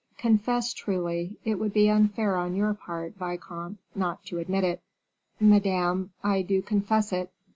Confess truly; it would be unfair on your part, vicomte, not to admit it." "Madame, I do confess it."